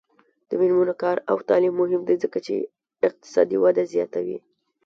د میرمنو کار او تعلیم مهم دی ځکه چې اقتصادي وده زیاتوي.